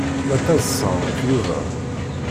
La ttaḍsaɣ ɣef Yuba.